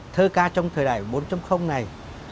thơ ca trong thời đại bốn này